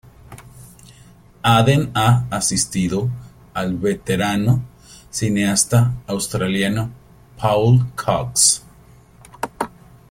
Aden ha asistido al veterano cineasta australiano Paul Cox.